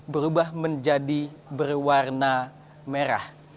berubah menjadi berwarna merah